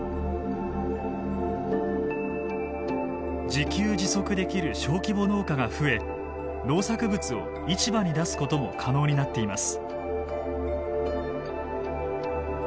自給自足できる小規模農家が増え農作物を市場に出すことも可能になっています。